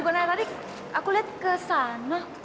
bukan aja tadi aku liat kesana